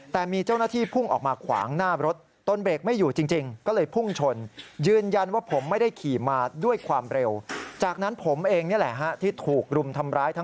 แต่มีเจ้าหน้าที่พุ่งออกมาขวางหน้ารถ